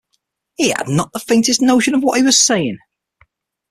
He had not the faintest notion of what he was saying.